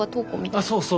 ああそうそう。